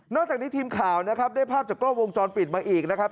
จากนี้ทีมข่าวนะครับได้ภาพจากกล้องวงจรปิดมาอีกนะครับ